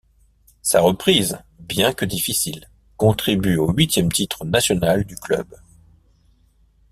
Sa reprise, bien que difficile, contribue au huitième titre national du club.